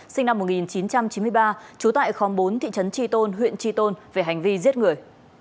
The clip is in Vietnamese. sinh năm một nghìn chín trăm chín mươi ba trú tại khóm bốn thị trấn tri tôn huyện tri tôn về hành vi giết người